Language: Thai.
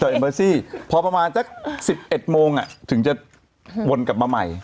เอ็มเบอร์ซี่พอประมาณสัก๑๑โมงถึงจะวนกลับมาใหม่